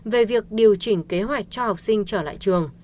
về việc điều chỉnh kế hoạch cho học sinh trở lại trường